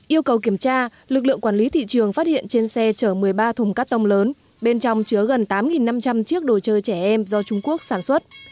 yêu cầu kiểm tra lực lượng quản lý thị trường phát hiện trên xe chở một mươi ba thùng cắt tông lớn bên trong chứa gần tám năm trăm linh chiếc đồ chơi trẻ em do trung quốc sản xuất